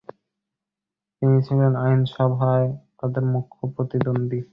তিনি ছিলেন আইনসভায় তাদের মূখ্য প্রতিদ্বন্দী।